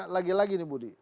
lagi lagi nih budi